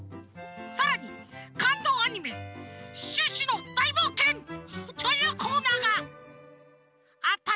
さらに「かんどうアニメシュッシュのだいぼうけん」というコーナーがあったらいいなとおもいます！